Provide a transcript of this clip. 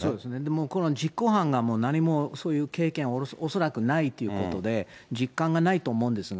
もうこの実行犯が何もそういう経験、恐らくないということで、実感がないと思うんですが。